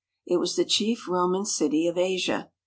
It was the chief Roman city of Asia.